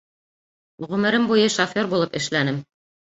Ғүмерем буйы шофер булып эшләнем.